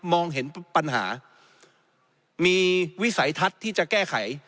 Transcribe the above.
มองเห็นปัญหามีวิสัยทัศน์ที่จะแก้ไข